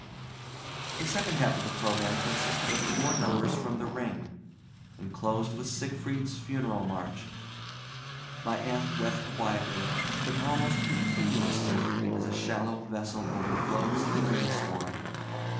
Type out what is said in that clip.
The second half of the program consisted of four numbers from the Ring, and closed with Siegfried's funeral march. My aunt wept quietly, but almost continuously, as a shallow vessel overflows in a rainstorm.